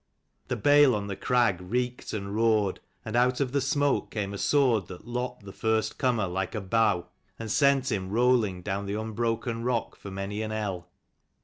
The bale on the crag reeked and roared, and out of the smoke came a sword that lopped the first comer like a bough, and sent him rolling down the unbroken rock for many an ell.